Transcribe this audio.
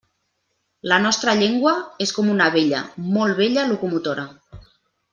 La nostra llengua és com una vella, molt vella, locomotora.